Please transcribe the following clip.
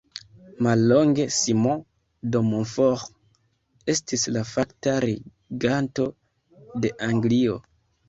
Mallonge Simon de Montfort estis la fakta reganto de Anglio.